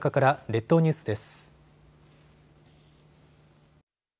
列島ニュースです。